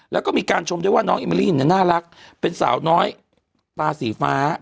แล้วก็มีการชมด้วยว่าน้องอิมลี่เนี่ยน่ารักเป็นสาวน้อยตาสีฟ้า